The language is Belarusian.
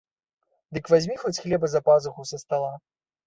Дык вазьмі хоць хлеба за пазуху са стала.